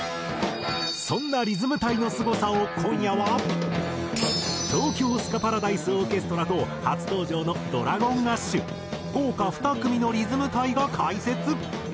そんなリズム隊のすごさを今夜は東京スカパラダイスオーケストラと初登場のＤｒａｇｏｎＡｓｈ豪華２組のリズム隊が解説。